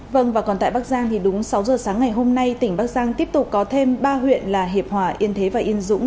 vâng và còn tại bắc giang thì đúng sáu giờ sáng ngày hôm nay tỉnh bắc giang tiếp tục có thêm ba huyện là hiệp hòa yên thế và yên dũng